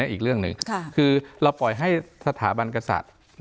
อีกเรื่องหนึ่งคือเราปล่อยให้สถาบันกษัตริย์